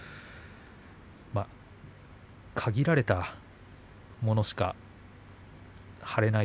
限られた者しか張れない